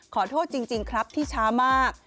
ขอโทษจริงครับที่ช้ามาก